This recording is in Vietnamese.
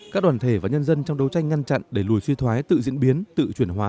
các đoàn thể và nhân dân trong đấu tranh ngăn chặn để lùi suy thoái tự diễn biến tự chuyển hóa